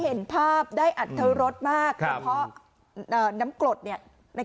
โอเค